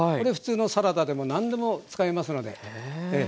普通のサラダでも何でも使えますので。